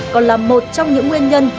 còn là một trong những nguyên nhân